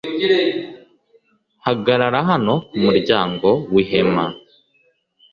hagarara hano ku muryango w'ihema